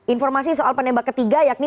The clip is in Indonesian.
informasi soal penembak ketiga yakni